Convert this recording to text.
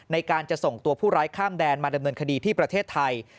ในการจะส่งตัวผู้ร้ายข้ามแดนมาดำเนินคดีที่ประเทศไทย